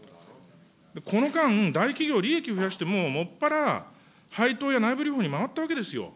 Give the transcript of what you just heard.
この間、大企業、利益増やして、もっぱら配当や内部留保に回ったわけですよ。